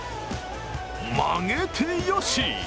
曲げてよし！